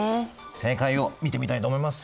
正解を見てみたいと思います。